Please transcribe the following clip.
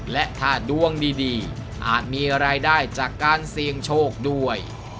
และถ้าดวงดีอาจมีรายได้จากการเสี่ยงโชคด้วย